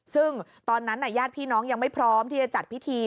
ซึ่งตอนนั้นญาติพี่น้องยังไม่พร้อมที่จะจัดพิธี